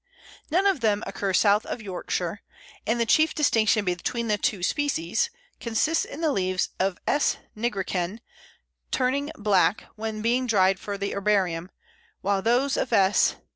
None of them occur south of Yorkshire, and the chief distinction between the two species (?) consists in the leaves of S. nigricans turning black when being dried for the herbarium, whilst those of _S.